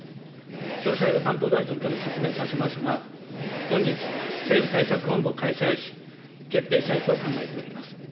詳細は担当大臣から説明させますが、本日、政府対策本部を開催をし、決定したいと考えております。